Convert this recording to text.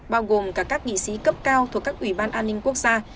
bao gồm cả các nghị sĩ cấp cao thuộc các ủy ban an ninh quốc gia